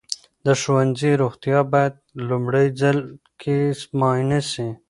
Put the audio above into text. د ښوونځي روغتیا باید لومړي ځل کې معاینه سي.